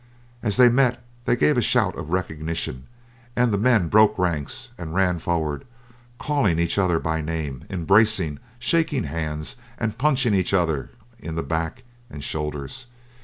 As they met they gave a shout of recognition, and the men broke ranks and ran forward, calling each other by name, embracing, shaking hands, and punching each other in the back and shoulders.